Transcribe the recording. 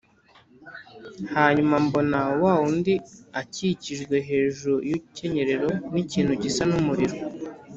Hanyuma mbona wa wundi akikijwe hejuru y’urukenyerero n’ikintu gisa n’umuriro